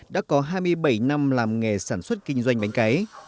đã có hai mươi bảy năm làm nghề sản xuất kinh doanh bánh cấy